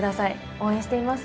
応援しています。